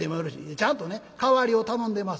ちゃんとね代わりを頼んでます」。